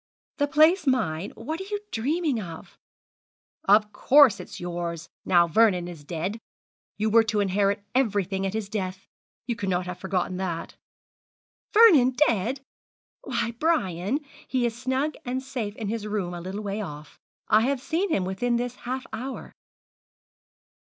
'The place mine? What are you dreaming of?' 'Of course it is yours, now Vernon is dead. You were to inherit everything at his death. You cannot have forgotten that.' 'Vernon dead! Why, Brian, he is snug and safe in his room a little way off. I have seen him within this half hour.'